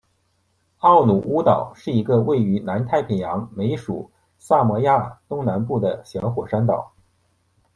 奥努乌岛是一个位于南太平洋美属萨摩亚东南部的小火山岛。